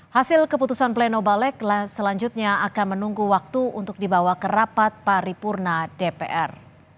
hasil keputusan pleno balik selanjutnya akan menunggu waktu untuk dibawa ke rapat paripurna dpr